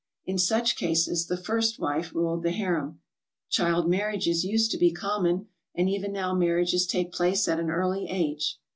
In such cases the first wife ruled the harem. Child mar riages used to be common, and even now marriages take place at an early age.